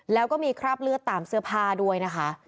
แล้วก็มีคราบเลือดตามเสื้อผ้าด้วยนะคะ